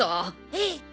えっ！？